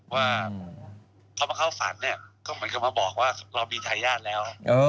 ว่าพอมาเข้าสรรเนี่ยก็เหมือนกันมาบอกว่าคำตอบมีอินทรายาทแล้ว